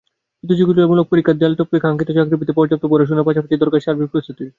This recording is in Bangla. প্রতিযোগিতামূলক পরীক্ষার দেয়াল টপকে কাঙ্ক্ষিত চাকরি পেতে পর্যাপ্ত পড়াশোনার পাশাপাশি দরকার সার্বিক প্রস্তুতির।